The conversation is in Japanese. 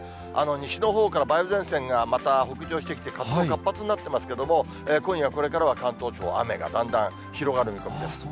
西のほうから梅雨前線がまた北上してきて活動、活発になってきてますけれども、今夜、これからは関東地方、雨がだんだん広がる見込みです。